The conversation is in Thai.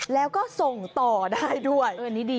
แล้วก็ส่งต่อได้ด้วย